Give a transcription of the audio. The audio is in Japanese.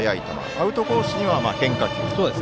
アウトコースには変化球。